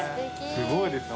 すごいですね。